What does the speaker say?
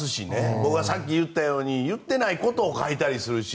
僕がさっき言ったように言っていないことを書いたりするし。